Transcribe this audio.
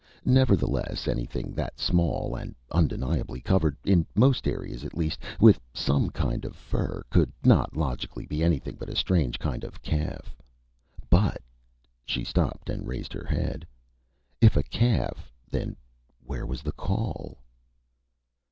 Nevertheless, anything that small, and undeniably covered in most areas, at least with some kind of fur, could not, logically, be anything but a strange kind of calf. But she stopped, and raised her head if a calf, then where was the call?